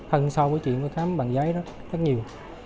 hơn so với chuyện khám bằng giấy rất nhiều